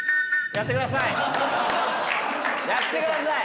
やってください！